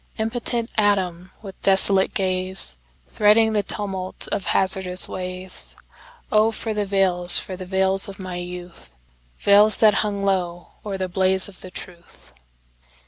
Impotent atom with desolate gazeThreading the tumult of hazardous ways—Oh, for the veils, for the veils of my youthVeils that hung low o'er the blaze of the truth!